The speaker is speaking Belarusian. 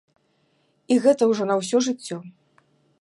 І гэта ўжо на ўсё жыццё.